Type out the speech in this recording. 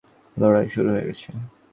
লড়াই শুরু হয়ে গেছে।